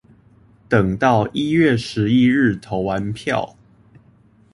等到一月十一日投完票